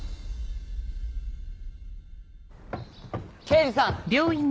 刑事さん！